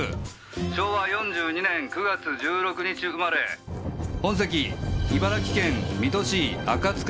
「昭和４２年９月１６日生まれ」本籍茨城県水戸市赤塚。